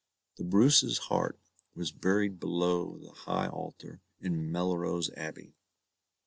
The Bruce's heart was buried below the high altar in Melrose Abbey.